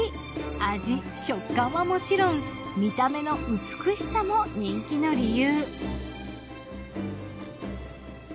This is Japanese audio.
味食感はもちろん見た目の美しさも人気の理由。